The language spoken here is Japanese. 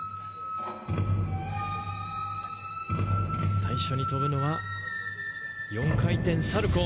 最初に跳ぶのは４回転サルコー。